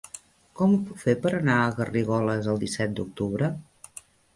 Com ho puc fer per anar a Garrigoles el disset d'octubre?